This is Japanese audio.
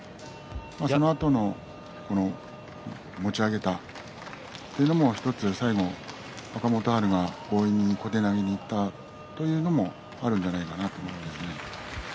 そのあとの持ち上げたというのも１つ最後の若元春が強引に小手投げにいったというのもあるんじゃないかなと思うんですね。